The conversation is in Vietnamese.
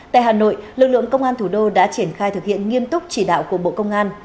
tại hà nội lực lượng công an thủ đô đã triển khai thực hiện nghiêm túc chỉ đạo của bộ công an